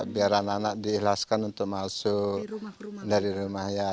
biar anak anak diikhlaskan untuk masuk dari rumahnya